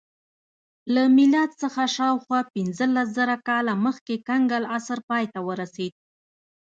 له میلاد څخه شاوخوا پنځلس زره کاله مخکې کنګل عصر پای ته ورسېد